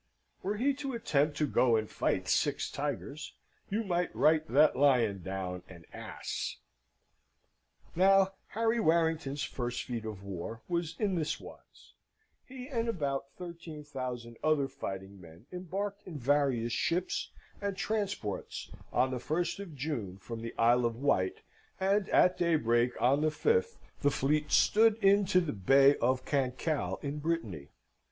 Were he to attempt to go and fight six tigers, you might write that Lion down an Ass. Now, Harry Warrington's first feat of war was in this wise. He and about 13,000 other fighting men embarked in various ships and transports on the 1st of June, from the Isle of Wight, and at daybreak on the 5th the fleet stood in to the Bay of Cancale in Brittany.